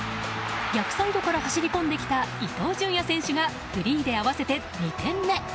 逆サイドから走りこんできた伊東純也選手がフリーで合わせて２点目。